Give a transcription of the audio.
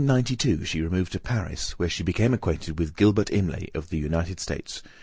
In 1792 she removed to Paris, where she became acquainted with Gilbert Imlay, of the United States.